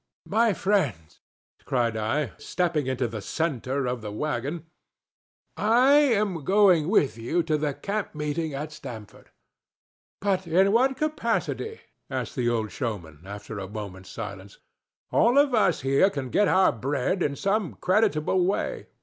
"My friends," cried I, stepping into the centre of the wagon, "I am going with you to the camp meeting at Stamford." "But in what capacity?" asked the old showman, after a moment's silence. "All of us here can get our bread in some creditable way.